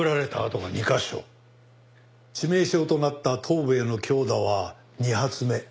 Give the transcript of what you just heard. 致命傷となった頭部への強打は２発目。